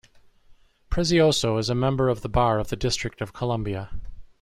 Prezioso is a member of the Bar of the District of Columbia.